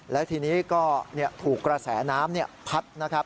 แล้วทีนี้ก็ดูวิ่งเขาราแสน้ำพัด